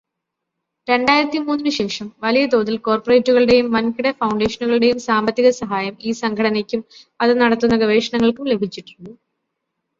രണ്ടായിരത്തിമൂന്നിനു ശേഷം വലിയതോതിൽ കോർപറേറ്റുകളുടെയും വൻകിട ഫൗണ്ടേഷനുകളുടെയും സാമ്പത്തികസഹായം ഈ സംഘടനയ്ക്കും അത് നടത്തുന്ന ഗവേഷണങ്ങൾക്കും ലഭിച്ചിട്ടുണ്ട്.